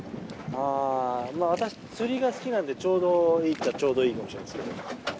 私、釣りが好きなのでちょうどいいっちゃちょうどいいかもしれないです。